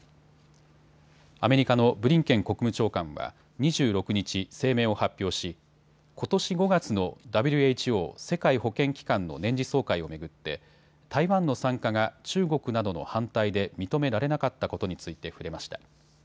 アメリカのブリンケン国務長官は２６日、声明を発表しことし５月のＷＨＯ・世界保健機関の年次総会を巡って台湾の参加が中国などの反対で認められなかったことについて触れました。